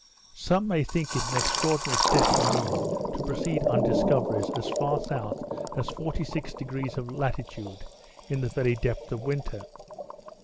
Some may think it an extraordinary step in me to proceed on discoveries as far south at 46° degrees of latitude, in the very depth of winter.